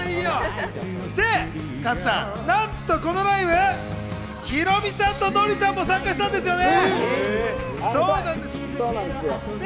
加藤さん、なんとこのライブ、ヒロミさんとノリさんも参加したそうなんですよ。